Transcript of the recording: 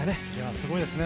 すごいですね。